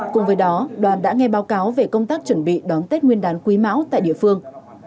cùng với đó đoàn đã nghe báo cáo về công tác chuẩn bị đón tết nguyên đán quý mão tại địa phương